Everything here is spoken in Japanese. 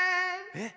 ・えっ